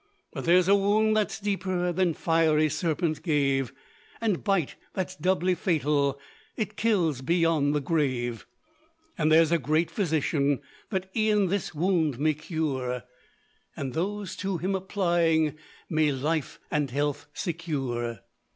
But there's a wound that's deeper Than fiery serpent gave; And bite that's doubly fatal, It kills beyond the grave. And there's a great physician, That e'en this wound may cure; And those to him applying, May life and health secure.